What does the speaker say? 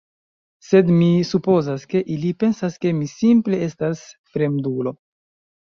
Sed mi supozas, ke ili pensas ke mi simple estas fremdulo.